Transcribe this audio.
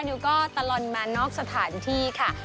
นิวก็ตลอดมานอกสถานที่ค่ะ